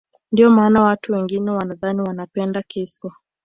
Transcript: Ndio maana watu wengine wanadhani wanapenda kesi